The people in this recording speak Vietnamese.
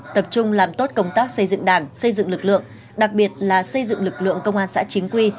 tập trung làm tốt công tác xây dựng đảng xây dựng lực lượng đặc biệt là xây dựng lực lượng công an xã chính quy